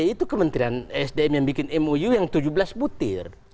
itu kementerian sdm yang bikin mou yang tujuh belas butir